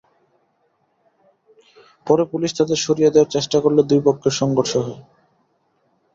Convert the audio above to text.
পরে পুলিশ তাঁদের সরিয়ে দেওয়ার চেষ্টা করলে দুই পক্ষের সংঘর্ষ হয়।